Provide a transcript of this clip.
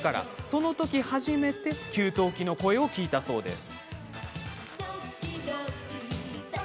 その時、初めて給湯器の声を聞いたそうです。